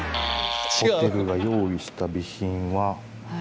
ホテルが用意した備品は。